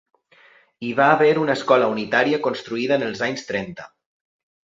Hi va haver una escola unitària construïda en els anys trenta.